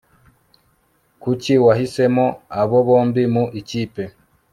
Kuki wahisemo abo bombi mu ikipe